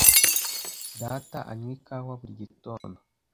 Data anywa ikawa buri gitondo.